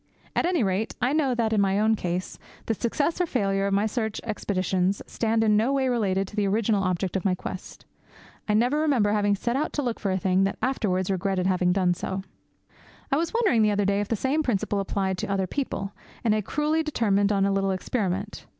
At any rate, I know that, in my own case, the success or failure of my search expeditions stand in no way related to the original object of my quest. I never remember having set out to look for a thing, and afterwards regretted having done so. I was wondering the other day if the same principle applied to other people, and I cruelly determined on a little experiment.